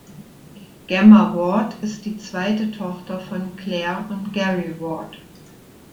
Gemma Ward ist die zweite Tochter von Claire und Gary Ward.